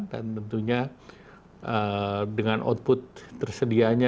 tentunya dengan output tersedianya